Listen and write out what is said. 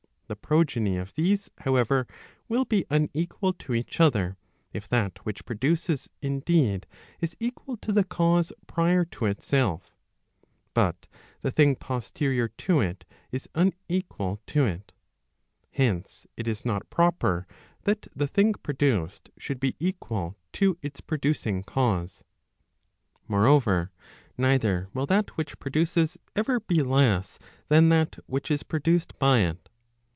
The progeny of these, however, will be unequal to each other, if that which produces indeed, is equal to the cause prior to itself, but the thing posterior to it is unequal to it. Hence, it is not proper that the thing produced should be equal to its producing cause. Moreover, neither will that which produces ever be less than that which is produced by it.